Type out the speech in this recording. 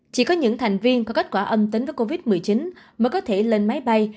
chỉ có những thành viên có kết quả âm tính với covid một mươi chín mới có thể lên máy bay